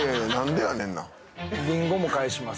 りんごも返します。